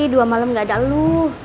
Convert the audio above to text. dua malam gak ada lu